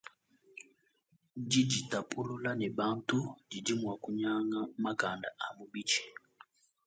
Diditapulula ne bantu didi mua kunyanga makanda a mubidi.